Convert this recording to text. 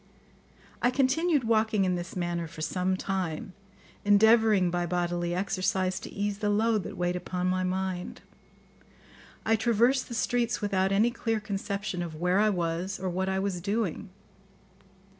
I continued walking in this manner for some time, endeavouring by bodily exercise to ease the load that weighed upon my mind. I traversed the streets without any clear conception of where I was or what I was doing.